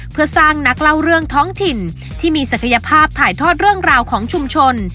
เพื่อสร้างนักเล่าเรื่องท้องถิ่นที่มีศักยภาพถ่ายทอดเรื่องราวของชุมชน